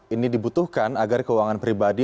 ini dibutuhkan agar keuangan pribadi